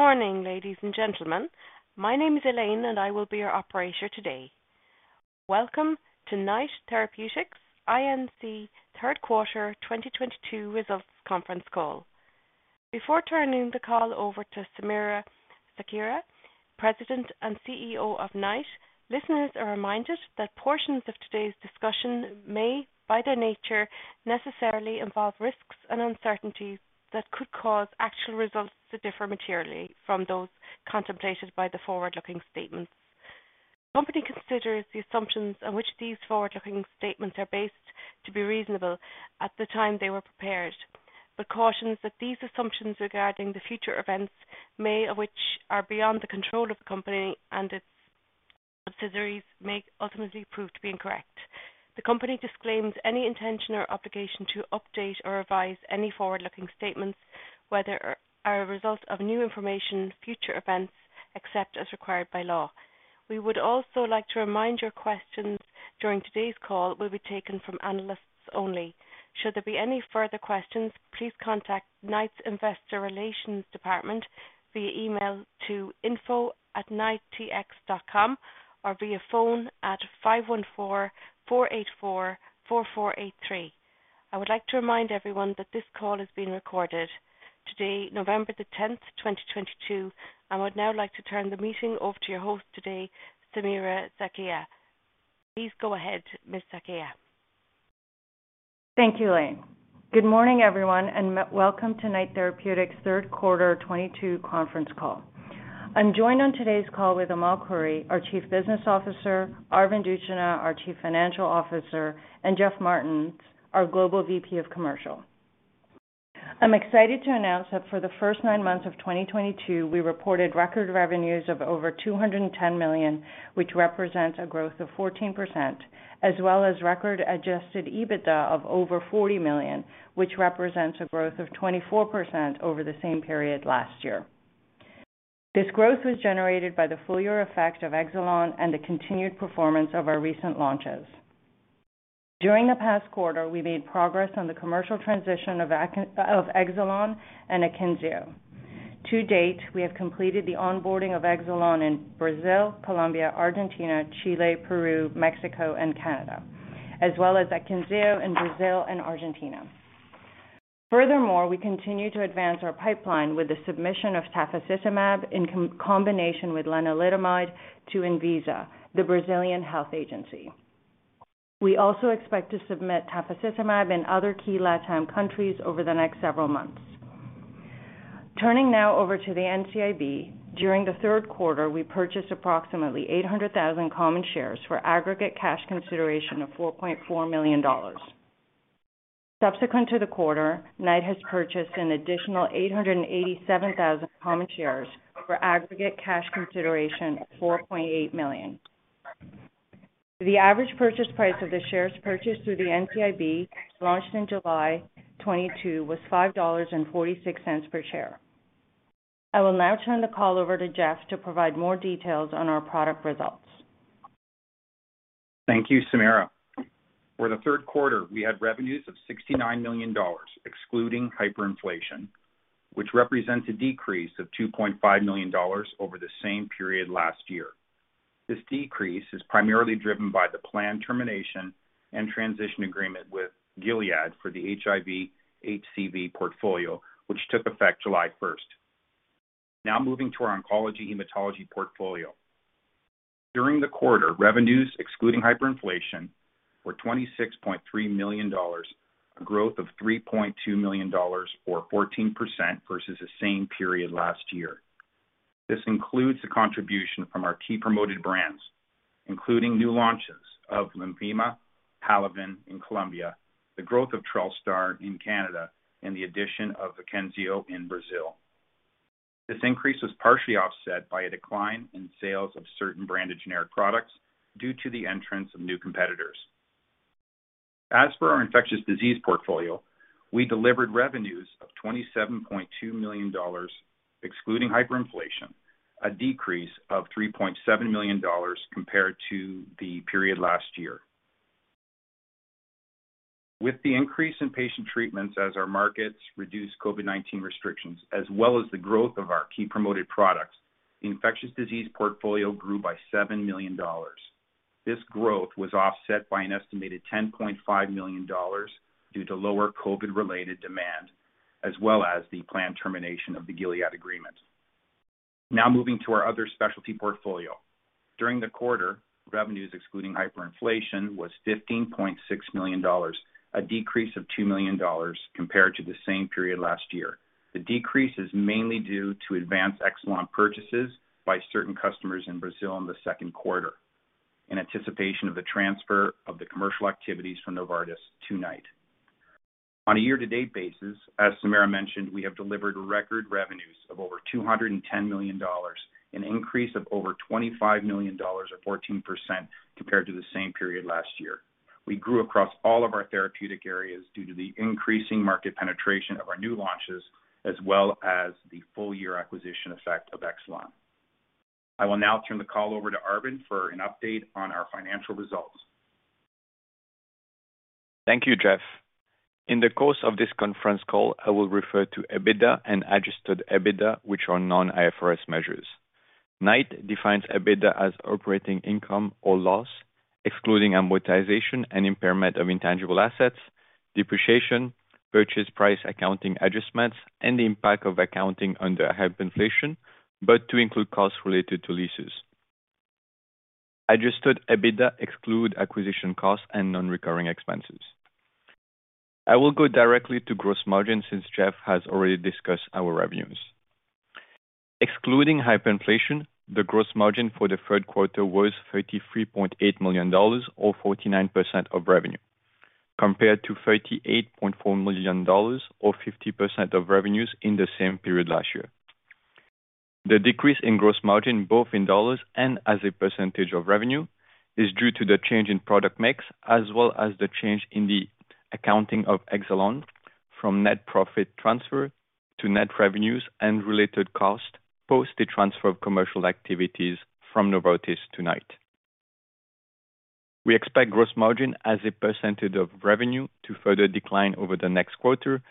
Good morning, ladies and gentlemen. My name is Elaine, and I will be your operator today. Welcome to Knight Therapeutics Inc. third quarter 2022 results conference call. Before turning the call over to Samira Sakhia, President and CEO of Knight, listeners are reminded that portions of today's discussion may, by their nature, necessarily involve risks and uncertainties that could cause actual results to differ materially from those contemplated by the forward-looking statements. The company considers the assumptions on which these forward-looking statements are based to be reasonable at the time they were prepared, but cautions that these assumptions regarding future events, many of which are beyond the control of the company and its subsidiaries, may ultimately prove to be incorrect. The company disclaims any intention or obligation to update or revise any forward-looking statements, whether as a result of new information, future events, except as required by law. We would also like to remind you that your questions during today's call will be taken from analysts only. Should there be any further questions, please contact Knight's Investor Relations Department via email to info@knighttx.com or via phone at 514-484-4483. I would like to remind everyone that this call is being recorded today, November 10, 2022. I would now like to turn the meeting over to your host today, Samira Sakhia. Please go ahead, Ms. Sakhia. Thank you, Elaine. Good morning, everyone, and welcome to Knight Therapeutics third quarter 2022 conference call. I'm joined on today's call with Amal Khouri, our Chief Business Officer, Arvind Utchanah, our Chief Financial Officer, and Jeff Martens, our Global VP of Commercial. I'm excited to announce that for the first nine months of 2022, we reported record revenues of over 210 million, which represents a growth of 14%, as well as record adjusted EBITDA of over 40 million, which represents a growth of 24% over the same period last year. This growth was generated by the full year effect of Exelon and the continued performance of our recent launches. During the past quarter, we made progress on the commercial transition of Exelon and AKYNZEO. To date, we have completed the onboarding of Exelon in Brazil, Colombia, Argentina, Chile, Peru, Mexico, and Canada, as well as AKYNZEO in Brazil and Argentina. Furthermore, we continue to advance our pipeline with the submission of tafasitamab in combination with lenalidomide to ANVISA, the Brazilian health agency. We also expect to submit tafasitamab in other key Latin countries over the next several months. Turning now to the NCIB. During the third quarter, we purchased approximately 800,000 common shares for aggregate cash consideration of 4.4 million dollars. Subsequent to the quarter, Knight has purchased an additional 887,000 common shares for aggregate cash consideration of 4.8 million. The average purchase price of the shares purchased through the NCIB, launched in July 2022, was 5.46 dollars per share. I will now turn the call over to Jeff to provide more details on our product results. Thank you, Samira. For the third quarter, we had revenues of 69 million dollars, excluding hyperinflation, which represents a decrease of 2.5 million dollars over the same period last year. This decrease is primarily driven by the planned termination and transition agreement with Gilead for the HIV HCV portfolio, which took effect July first. Now moving to our oncology hematology portfolio. During the quarter, revenues excluding hyperinflation were 26.3 million dollars, a growth of 3.2 million dollars or 14% versus the same period last year. This includes the contribution from our key promoted brands, including new launches of Lenvima, Halaven in Colombia, the growth of Trelstar in Canada, and the addition of AKYNZEO in Brazil. This increase was partially offset by a decline in sales of certain branded generic products due to the entrance of new competitors. As for our infectious disease portfolio, we delivered revenues of 27.2 million dollars, excluding hyperinflation, a decrease of 3.7 million dollars compared to the period last year. With the increase in patient treatments as our markets reduce COVID-19 restrictions, as well as the growth of our key promoted products, the infectious disease portfolio grew by 7 million dollars. This growth was offset by an estimated 10.5 million dollars due to lower COVID-related demand, as well as the planned termination of the Gilead agreement. Now moving to our other specialty portfolio. During the quarter, revenues excluding hyperinflation was 15.6 million dollars, a decrease of 2 million dollars compared to the same period last year. The decrease is mainly due to advanced Exelon purchases by certain customers in Brazil in the second quarter in anticipation of the transfer of the commercial activities from Novartis to Knight. On a year-to-date basis, as Samira mentioned, we have delivered record revenues of over 210 million dollars, an increase of over 25 million dollars or 14% compared to the same period last year. We grew across all of our therapeutic areas due to the increasing market penetration of our new launches as well as the full year acquisition effect of Exelon. I will now turn the call over to Arvind for an update on our financial results. Thank you, Jeff. In the course of this conference call, I will refer to EBITDA and adjusted EBITDA, which are non-IFRS measures. Knight defines EBITDA as operating income or loss, excluding amortization and impairment of intangible assets, depreciation, purchase price accounting adjustments, and the impact of accounting under hyperinflation, but to include costs related to leases. Adjusted EBITDA exclude acquisition costs and non-recurring expenses. I will go directly to gross margin since Jeff has already discussed our revenues. Excluding hyperinflation, the gross margin for the third quarter was 33.8 million dollars or 49% of revenue, compared to 38.4 million dollars or 50% of revenues in the same period last year. The decrease in gross margin, both in dollars and as a percentage of revenue, is due to the change in product mix, as well as the change in the accounting of Exelon from net profit transfer to net revenues and related costs post the transfer of commercial activities from Novartis to Knight. We expect gross margin as a percentage of revenue to further decline over the next quarter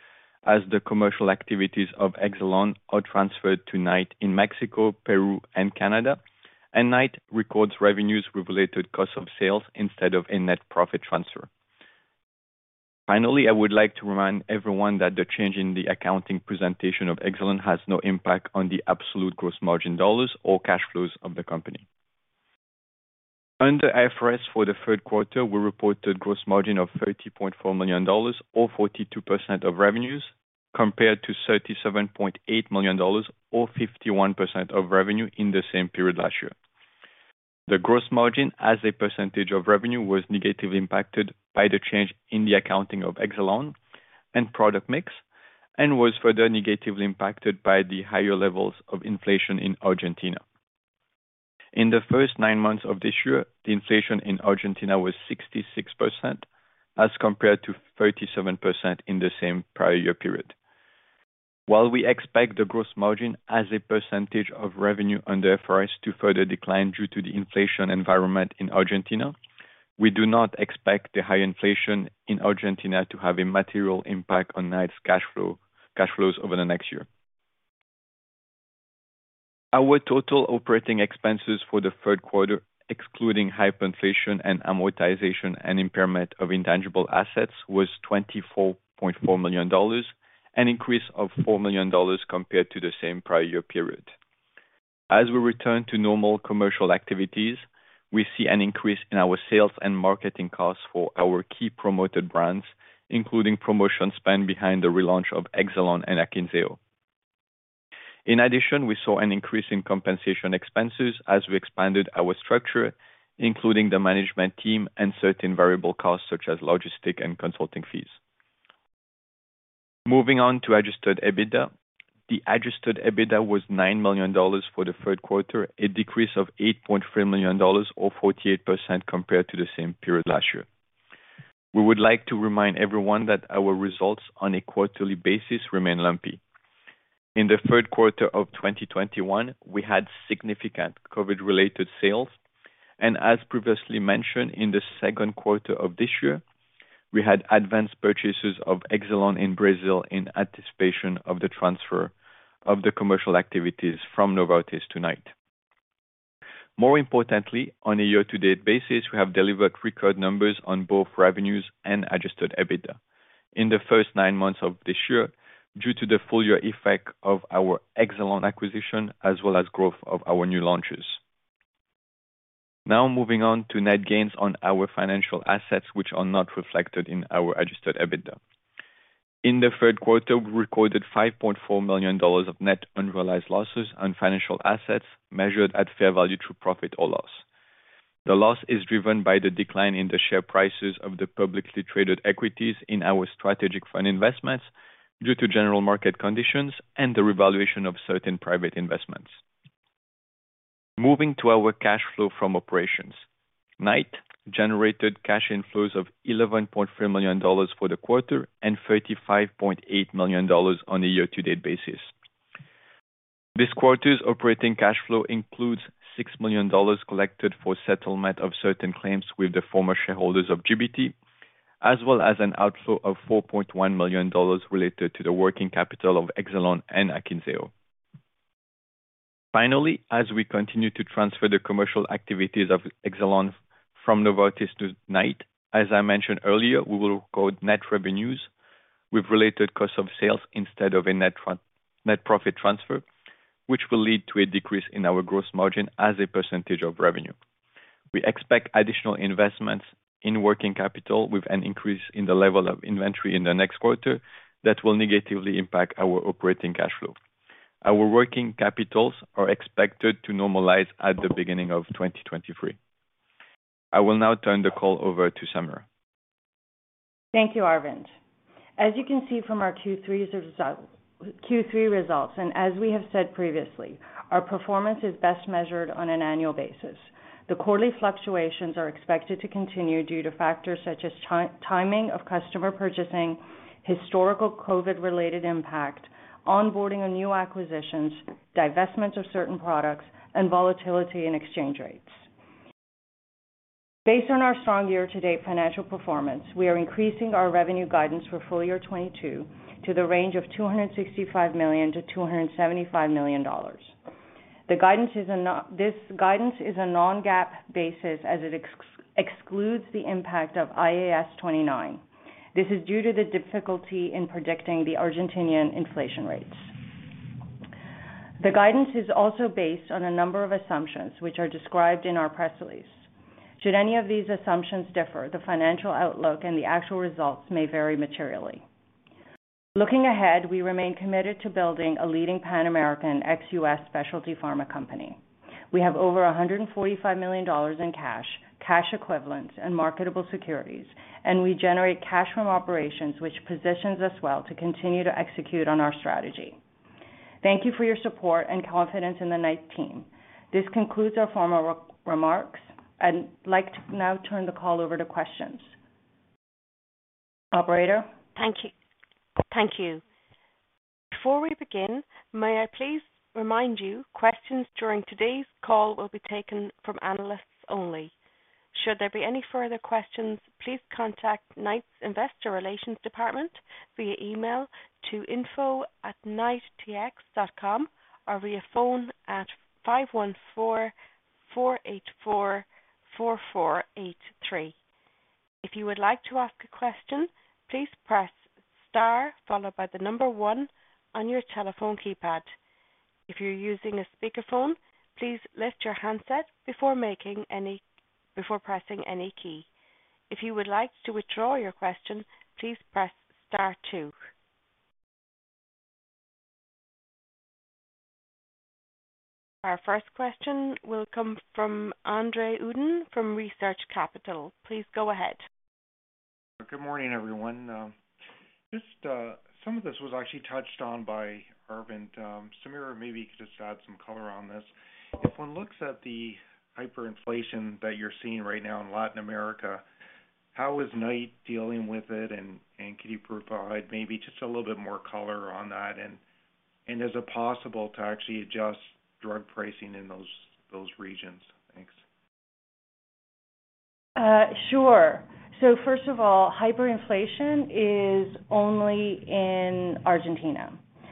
as the commercial activities of Exelon are transferred to Knight in Mexico, Peru, and Canada, and Knight records revenues with related cost of sales instead of a net profit transfer. Finally, I would like to remind everyone that the change in the accounting presentation of Exelon has no impact on the absolute gross margin dollars or cash flows of the company. Under IFRS for the third quarter, we reported gross margin of 30.4 million dollars or 42% of revenues, compared to 37.8 million dollars or 51% of revenue in the same period last year. The gross margin as a percentage of revenue was negatively impacted by the change in the accounting of Exelon and product mix, and was further negatively impacted by the higher levels of inflation in Argentina. In the first 9 months of this year, the inflation in Argentina was 66% as compared to 37% in the same prior year period. While we expect the gross margin as a percentage of revenue under IFRS to further decline due to the inflation environment in Argentina, we do not expect the high inflation in Argentina to have a material impact on Knight's cash flow, cash flows over the next year. Our total operating expenses for the third quarter, excluding hyperinflation and amortization and impairment of intangible assets, was 24.4 million dollars, an increase of 4 million dollars compared to the same prior year period. As we return to normal commercial activities, we see an increase in our sales and marketing costs for our key promoted brands, including promotion spend behind the relaunch of Exelon and AKYNZEO. In addition, we saw an increase in compensation expenses as we expanded our structure, including the management team and certain variable costs such as logistics and consulting fees. Moving on to adjusted EBITDA. The adjusted EBITDA was 9 million dollars for the third quarter, a decrease of 8.3 million dollars or 48% compared to the same period last year. We would like to remind everyone that our results on a quarterly basis remain lumpy. In the third quarter of 2021, we had significant COVID-related sales, and as previously mentioned, in the second quarter of this year, we had advanced purchases of Exelon in Brazil in anticipation of the transfer of the commercial activities from Novartis to Knight. More importantly, on a year-to-date basis, we have delivered record numbers on both revenues and adjusted EBITDA. In the first 9 months of this year, due to the full year effect of our Exelon acquisition, as well as growth of our new launches. Now moving on to net gains on our financial assets which are not reflected in our adjusted EBITDA. In the third quarter, we recorded 5.4 million dollars of net unrealized losses on financial assets measured at fair value through profit or loss. The loss is driven by the decline in the share prices of the publicly traded equities in our strategic fund investments due to general market conditions and the revaluation of certain private investments. Moving to our cash flow from operations. Knight generated cash inflows of 11.3 million dollars for the quarter and 35.8 million dollars on a year-to-date basis. This quarter's operating cash flow includes 6 million dollars collected for settlement of certain claims with the former shareholders of GBT, as well as an outflow of 4.1 million dollars related to the working capital of Exelon and AKYNZEO. Finally, as we continue to transfer the commercial activities of Exelon from Novartis to Knight, as I mentioned earlier, we will record net revenues with related cost of sales instead of a net profit transfer, which will lead to a decrease in our gross margin as a percentage of revenue. We expect additional investments in working capital with an increase in the level of inventory in the next quarter that will negatively impact our operating cash flow. Our working capitals are expected to normalize at the beginning of 2023. I will now turn the call over to Samira. Thank you, Arvind. As you can see from our Q3 results, and as we have said previously, our performance is best measured on an annual basis. The quarterly fluctuations are expected to continue due to factors such as timing of customer purchasing, historical COVID-related impact, onboarding of new acquisitions, divestments of certain products, and volatility in exchange rates. Based on our strong year-to-date financial performance, we are increasing our revenue guidance for full year 2022 to the range of $265 million-$275 million. This guidance is a non-GAAP basis as it excludes the impact of IAS 29. This is due to the difficulty in predicting the Argentinian inflation rates. The guidance is also based on a number of assumptions which are described in our press release. Should any of these assumptions differ, the financial outlook and the actual results may vary materially. Looking ahead, we remain committed to building a leading Pan-American ex-US specialty pharma company. We have over 145 million dollars in cash equivalents, and marketable securities, and we generate cash from operations which positions us well to continue to execute on our strategy. Thank you for your support and confidence in the Knight team. This concludes our formal remarks. I'd like to now turn the call over to questions. Operator? Thank you. Thank you. Before we begin, may I please remind you, questions during today's call will be taken from analysts only. Should there be any further questions, please contact Knight's investor relations department via email to info@knighttx.com or via phone at 514-484-4483. If you would like to ask a question, please press star followed by the number 1 on your telephone keypad. If you're using a speakerphone, please lift your handset before pressing any key. If you would like to withdraw your question, please press star 2. Our first question will come from Andre Uddin from Research Capital. Please go ahead. Good morning, everyone. Just some of this was actually touched on by Arvind. Samira, maybe you could just add some color on this. If one looks at the hyperinflation that you're seeing right now in Latin America, how is Knight dealing with it, and could you provide maybe just a little bit more color on that? Is it possible to actually adjust drug pricing in those regions? Thanks. First of all, hyperinflation is only in Argentina.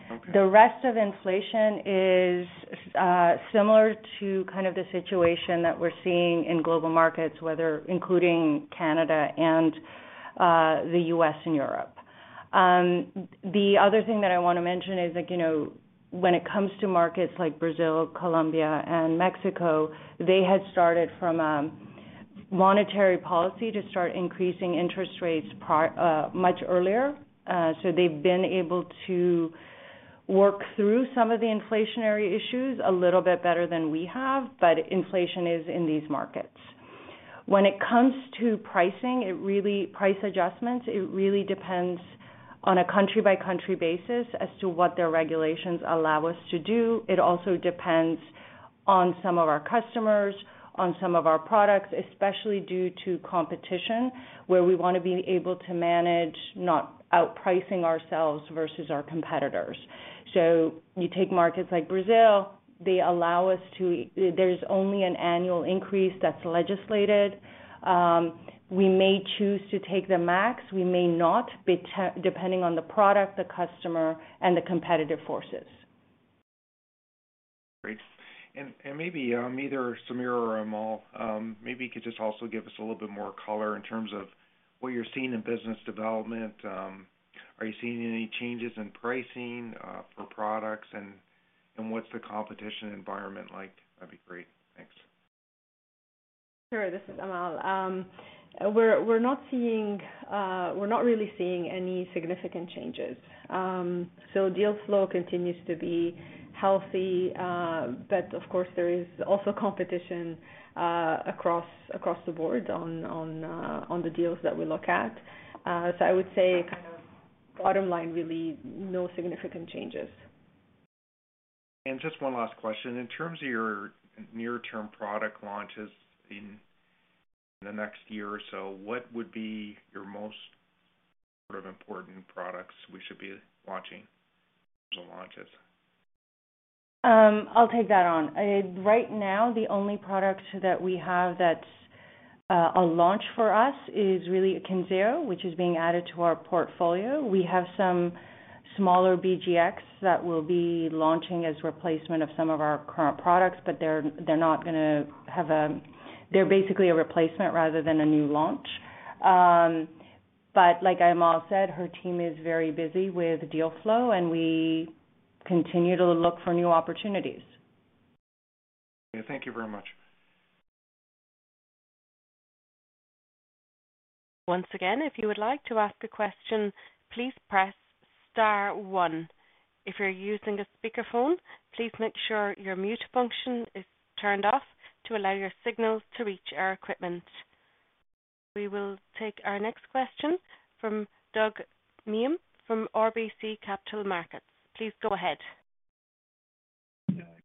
Okay. The rest of inflation is similar to kind of the situation that we're seeing in global markets, whether including Canada and the US and Europe. The other thing that I wanna mention is like, you know, when it comes to markets like Brazil, Colombia and Mexico, they had started from a monetary policy to start increasing interest rates much earlier. They've been able to work through some of the inflationary issues a little bit better than we have, but inflation is in these markets. When it comes to pricing, price adjustments really depend on a country-by-country basis as to what their regulations allow us to do. It also depends on some of our customers, on some of our products, especially due to competition, where we wanna be able to manage not outpricing ourselves versus our competitors. You take markets like Brazil, they allow us to. There's only an annual increase that's legislated. We may choose to take the max, we may not, depending on the product, the customer, and the competitive forces. Great. Maybe either Samira or Amal, maybe you could just also give us a little bit more color in terms of what you're seeing in business development. Are you seeing any changes in pricing for products? What's the competitive environment like? That'd be great. Thanks. Sure. This is Amal. We're not really seeing any significant changes. Deal flow continues to be healthy, but of course, there is also competition across the board on the deals that we look at. I would say kind of bottom line, really no significant changes. Just one last question. In terms of your near-term product launches in the next year or so, what would be your most sort of important products we should be watching in terms of launches? I'll take that on. Right now, the only product that we have that's a launch for us is really AKYNZEO, which is being added to our portfolio. We have some smaller BGx that we'll be launching as replacement of some of our current products, but they're basically a replacement rather than a new launch. Like Amal said, her team is very busy with deal flow, and we continue to look for new opportunities. Thank you very much. Once again, if you would like to ask a question, please press star one. If you're using a speaker phone, please make sure your mute function is turned off to allow your signal to reach our equipment. We will take our next question from Doug Miehm from RBC Capital Markets. Please go ahead.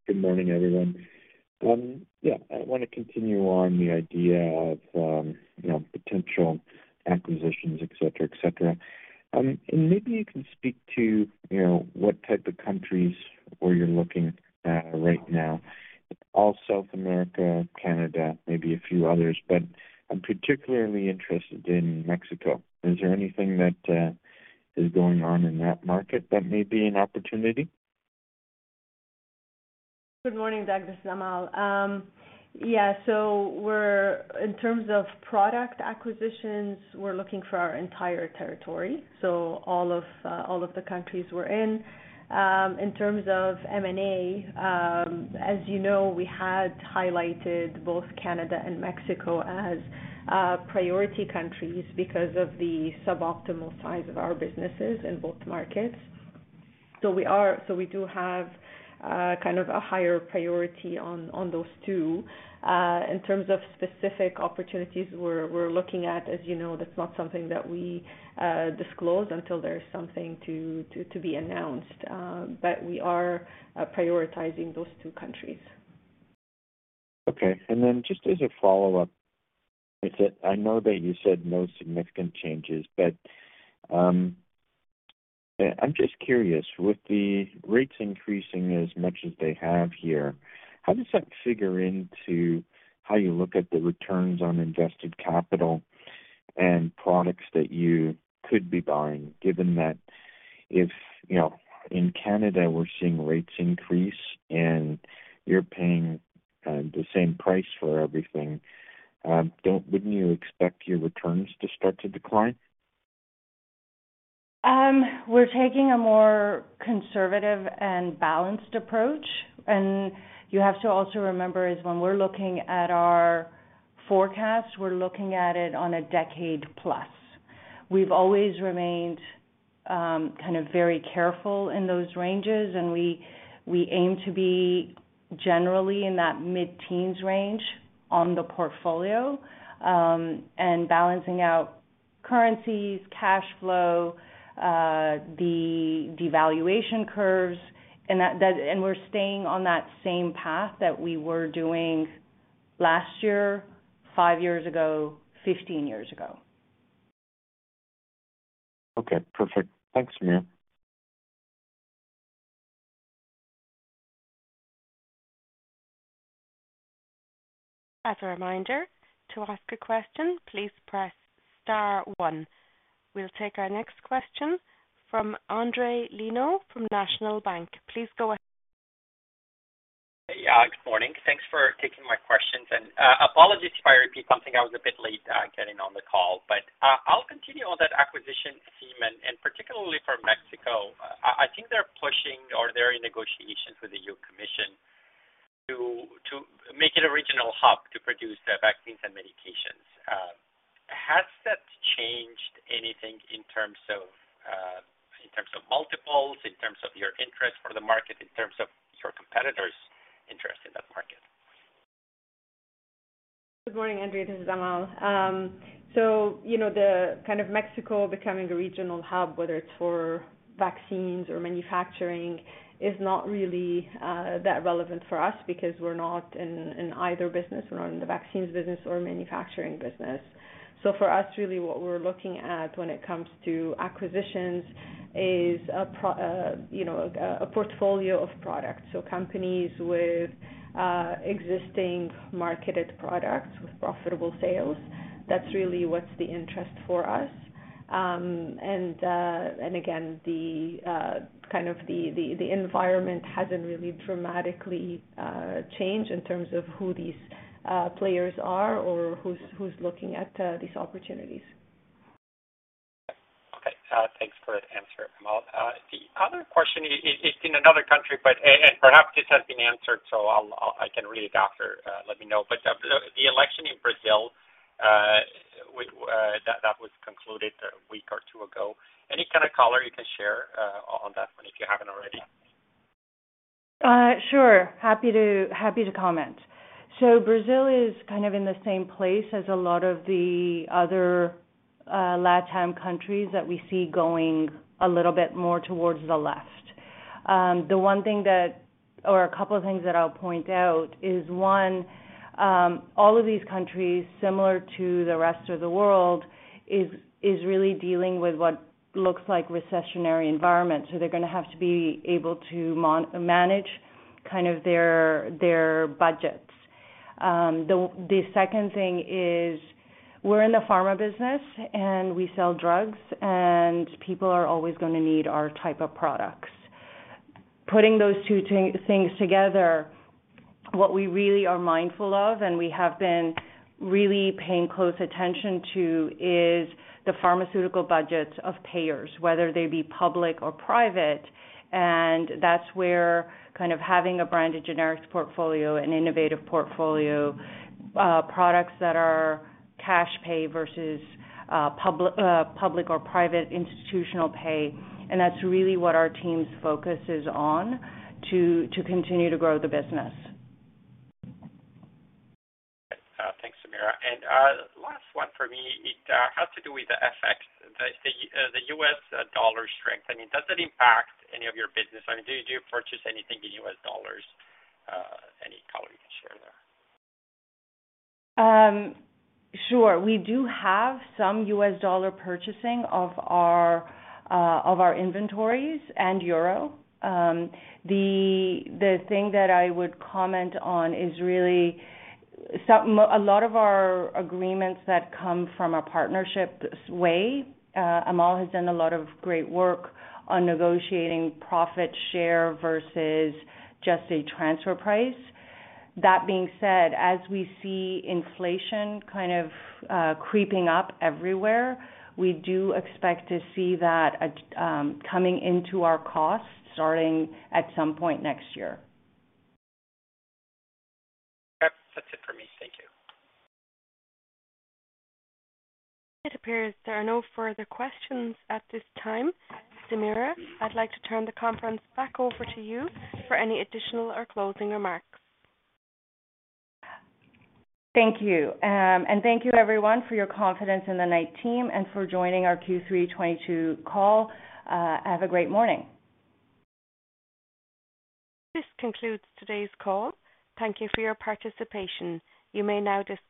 Good morning, everyone. I wanna continue on the idea of, you know, potential acquisitions, et cetera, et cetera. Maybe you can speak to, you know, what type of countries where you're looking at right now. All South America, Canada, maybe a few others, but I'm particularly interested in Mexico. Is there anything that is going on in that market that may be an opportunity? Good morning, Douglas. This is Amal. In terms of product acquisitions, we're looking for our entire territory, so all of the countries we're in. In terms of M&A, as you know, we had highlighted both Canada and Mexico as priority countries because of the suboptimal size of our businesses in both markets. We do have kind of a higher priority on those two. In terms of specific opportunities we're looking at, as you know, that's not something that we disclose until there's something to be announced. We are prioritizing those two countries. Okay. Just as a follow-up, I said I know that you said no significant changes, but, yeah, I'm just curious. With the rates increasing as much as they have here, how does that figure into how you look at the returns on invested capital and products that you could be buying, given that if, you know, in Canada we're seeing rates increase and you're paying the same price for everything, wouldn't you expect your returns to start to decline? We're taking a more conservative and balanced approach, and you have to also remember is when we're looking at our forecast, we're looking at it on a decade plus. We've always remained kind of very careful in those ranges and we aim to be generally in that mid-teens range on the portfolio, and balancing out currencies, cash flow, the devaluation curves and that. We're staying on that same path that we were doing last year, 5 years ago, 15 years ago. Okay, perfect. Thanks, Samira. As a reminder, to ask a question, please press star one. We'll take our next question from Endri Leno from National Bank. Please go ahead. Yeah, good morning. Thanks for taking my questions. Apologies if I repeat something, I was a bit late getting on the call. I'll continue on that acquisition theme and particularly for Mexico. I think they're pushing or they're in negotiations with the EU Commission to make it a regional hub to produce the vaccines and medications. Has that changed anything in terms of multiples, in terms of your interest for the market, in terms of your competitors' interest in that market? Good morning, Andre, this is Amal. You know, the kind of Mexico becoming a regional hub, whether it's for vaccines or manufacturing, is not really that relevant for us because we're not in either business. We're not in the vaccines business or manufacturing business. For us, really what we're looking at when it comes to acquisitions is a portfolio of products. Companies with existing marketed products with profitable sales. That's really what's the interest for us. Again, the kind of environment hasn't really dramatically changed in terms of who these players are or who's looking at these opportunities. Okay. Thanks for the answer, Amal. The other question is in another country, but perhaps this has been answered, so I can read it after. Let me know. The election in Brazil with that was concluded a week or two ago. Any kind of color you can share on that one, if you haven't already? Sure. Happy to comment. Brazil is kind of in the same place as a lot of the other LatAm countries that we see going a little bit more towards the left. The one thing or a couple of things that I'll point out is, one, all of these countries, similar to the rest of the world, is really dealing with what looks like recessionary environment. They're gonna have to be able to manage kind of their budgets. The second thing is we're in the pharma business and we sell drugs, and people are always gonna need our type of products. Putting those two things together, what we really are mindful of, and we have been really paying close attention to, is the pharmaceutical budgets of payers, whether they be public or private. That's where kind of having a branded generics portfolio and innovative portfolio, products that are cash pay versus, public or private institutional pay. That's really what our team's focus is on to continue to grow the business. Thanks, Samira. Last one for me. It has to do with the FX, the US dollar strength. I mean, does it impact any of your business? I mean, do you purchase anything in US dollars? Any color you can share there? Sure. We do have some U.S. dollar purchasing of our inventories and euro. The thing that I would comment on is really a lot of our agreements that come from partnerships in a way. Amal has done a lot of great work on negotiating profit share versus just a transfer price. That being said, as we see inflation kind of creeping up everywhere, we do expect to see that coming into our costs, starting at some point next year. Yep. That's it for me. Thank you. It appears there are no further questions at this time. Samira, I'd like to turn the conference back over to you for any additional or closing remarks. Thank you. Thank you everyone for your confidence in the Knight team and for joining our Q3 2022 call. Have a great morning. This concludes today's call. Thank you for your participation. You may now disconnect.